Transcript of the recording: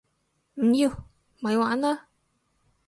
唔要！咪玩啦